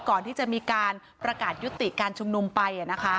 ก่อนที่จะมีการประกาศยุติการชุมนุมไป